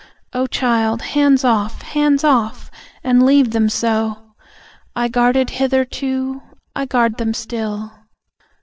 Oh, child, hands off! Hands off! And leave them so. I guarded hitherto, I guard them still.